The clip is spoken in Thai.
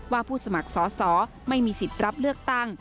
ผู้สมัครสอสอไม่มีสิทธิ์รับเลือกตั้ง